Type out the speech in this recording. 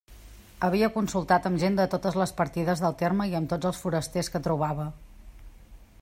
Havia consultat amb gent de totes les partides del terme i amb tots els forasters que trobava.